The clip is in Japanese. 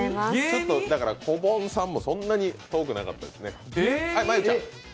こぼんさんもそんなに遠くなかったですね。